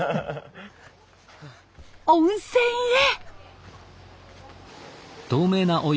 温泉へ！